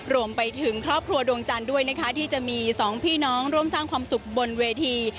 รวมไปถึงครอบครัวดวงจันทร์ด้วยนะคะที่จะมีสองพี่น้องร่วมสร้างความสุขบนเวที